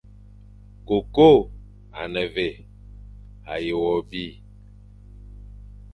Koko a ne vé, a ye wo bi.